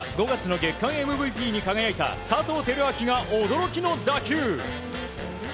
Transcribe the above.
阪神は５月の月間ＭＶＰに輝いた佐藤輝明が驚きの打球。